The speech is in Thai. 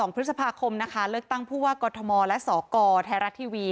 ๒พฤษภาคมนะคะเลือกตั้งผู้ว่ากอทมและสกไทยรัฐทีวี